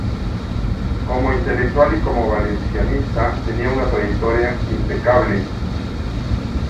Como intelectual y como valencianista tenía una trayectoria impecable.